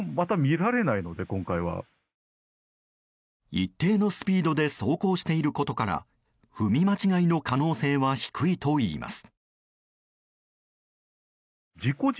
一定のスピードで走行していることから踏み間違いの可能性は低いといいます。